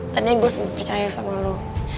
ternyata gue sempet percaya sama lo